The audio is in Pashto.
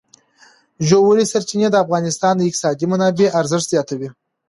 ژورې سرچینې د افغانستان د اقتصادي منابعو ارزښت زیاتوي.